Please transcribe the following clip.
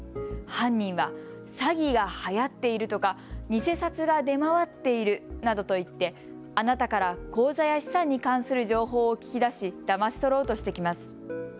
犯人は詐欺がはやっているとか偽札が出回っているなどと言ってあなたから口座や資産に関する情報を聞き出しだまし取ろうとしてきます。